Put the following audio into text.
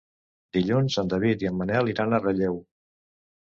Dilluns en David i en Manel iran a Relleu.